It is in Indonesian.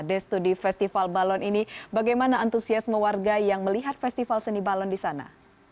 destudi festival balon ini bagaimana antusiasme warga yang melihat festival seni balon di sana